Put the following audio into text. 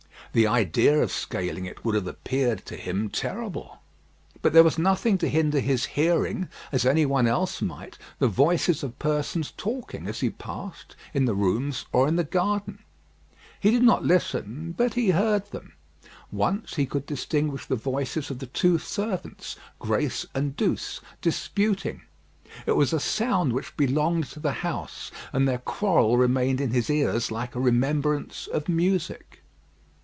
The idea of scaling it would have appeared, to him, terrible. But there was nothing to hinder his hearing, as any one else might, the voices of persons talking as he passed, in the rooms or in the garden. He did not listen, but he heard them. Once he could distinguish the voices of the two servants, Grace and Douce, disputing. It was a sound which belonged to the house, and their quarrel remained in his ears like a remembrance of music.